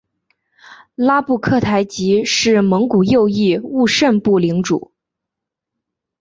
拉布克台吉是蒙古右翼兀慎部领主。